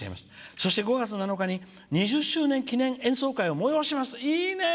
そして５月７日２０周年記念演奏会を催します。